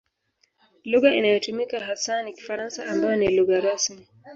Lugha inayotumika hasa ni Kifaransa ambayo ni lugha rasmi.